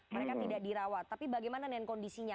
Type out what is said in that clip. mereka tidak dirawat tapi bagaimana dengan kondisinya